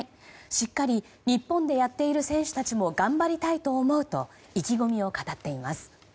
しっかり日本でやっている選手たちも頑張りたいと意気込みを語っています。